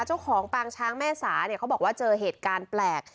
เจ้าของปางช้างแม่สาเนี่ยเขาบอกว่าเจอเหตุการณ์แปลก